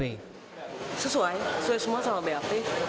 sesuai sesuai semua sama blt